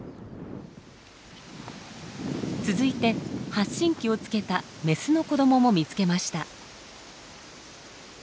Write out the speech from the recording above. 続いて発信器をつけたメスの子どもも見つけました。